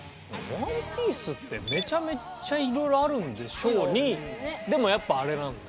「ＯＮＥＰＩＥＣＥ」ってめちゃめちゃいろいろあるんでしょうにでもやっぱあれなんだ。